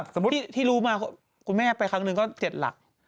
สมมุติที่รู้มาคุณแม่ไปครั้งหนึ่งก็๗หลัก